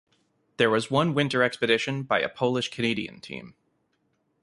There was one winter expedition by a Polish-Canadian team.